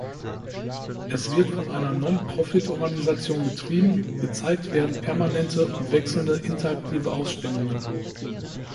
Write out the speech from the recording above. Es wird von einer Non-Profit-Organisation betrieben, gezeigt werden permanente und wechselnde interaktive Ausstellungen.